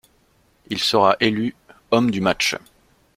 Il sera élu homme du match.